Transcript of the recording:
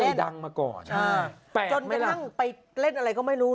ดังมาก่อนจนกระทั่งไปเล่นอะไรก็ไม่รู้